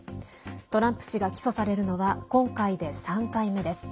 トランプ氏が起訴されるのは今回で３回目です。